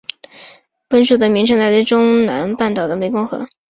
本属的名称来自中南半岛的湄公河。